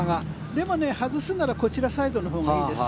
でも外すならこちらサイドのほうがいいです。